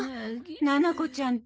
ななこちゃんと。